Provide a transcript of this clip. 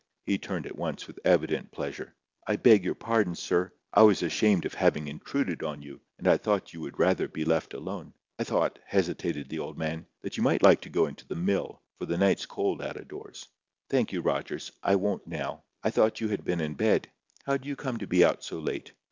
He turned at once with evident pleasure. "I beg your pardon, sir. I was ashamed of having intruded on you, and I thought you would rather be left alone. I thought—I thought— " hesitated the old man, "that you might like to go into the mill, for the night's cold out o' doors." "Thank you, Rogers. I won't now. I thought you had been in bed. How do you come to be out so late?"